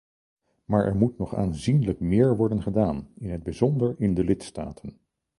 Maar er moet nog aanzienlijk meer worden gedaan, in het bijzonder in de lidstaten.